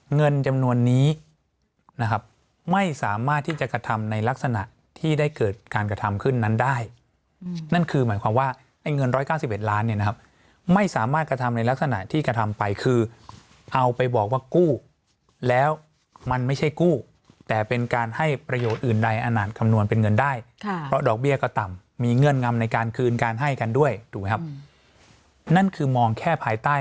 เงินจำนวนนี้นะครับไม่สามารถที่จะกระทำในลักษณะที่ได้เกิดการกระทำขึ้นนั้นได้อืมนั่นคือหมายความว่าไอ้เงินร้อยเก้าสิบเอ็ดล้านเนี้ยนะครับไม่สามารถกระทำในลักษณะที่กระทำไปคือเอาไปบอกว่ากู้แล้วมันไม่ใช่กู้แต่เป็นการให้ประโยชน์อื่นใดอาหารคำนวณเป็นเงินได้ค่ะเพราะดอกเ